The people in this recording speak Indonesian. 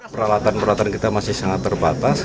peralatan peralatan kita masih sangat terbatas